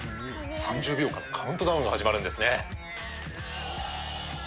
３０秒間、カウントダウンが始まるんですね。